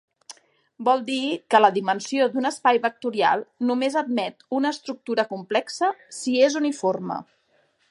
Vol dir, que la dimensió d'un espai vectorial només admet una estructura complexa si és uniforme.